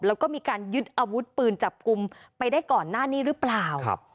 แล้วก็มีการยึดอาวุธปืนจับกลุ่มไปได้ก่อนหน้านี้หรือเปล่า